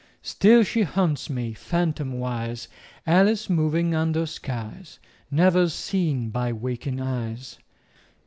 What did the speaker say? Still she haunts me, phantomwise, Alice moving under skies Never seen by waking eyes.